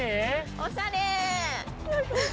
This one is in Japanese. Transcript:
おしゃれー。